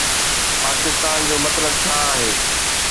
پاڪستان جو مطلب ڇا آھي؟